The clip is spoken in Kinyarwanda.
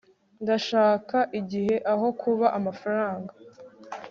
ndashaka igihe aho kuba amafaranga